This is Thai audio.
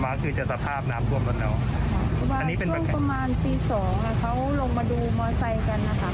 ออกมาคือจะสภาพน้ำท่วมตัวเนาะครับประมาณตี๒เขาลงมาดูมอไซค์กันนะครับ